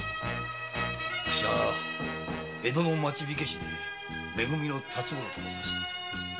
あっしは江戸の「町火消」「め組」の辰五郎と申します。